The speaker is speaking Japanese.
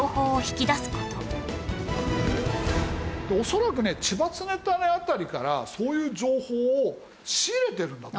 恐らくね千葉常胤辺りからそういう情報を仕入れてるんだと頼朝が。